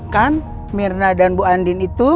kan mirna dan bu andin itu